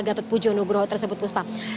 gatot pujo nugroho tersebut puspa